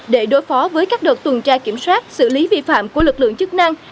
để đối phó với các đợt tuần tra kiểm soát xử lý vi phạm của lực lượng chức năng